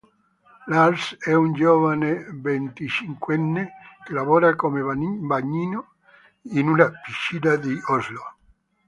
Lars è un giovane venticinquenne che lavora come bagnino in una piscina di Oslo.